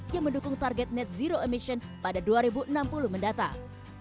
yang mendukung target net zero emission pada dua ribu enam puluh mendatang